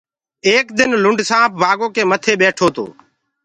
ايڪ دن لُنڊ سآنپ بآگو ڪي متي ٻيٺو تو۔